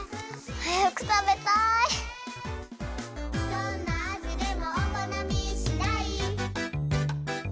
「どんな味でもお好みしだい」